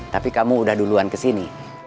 tapi kamu udah duluan kesini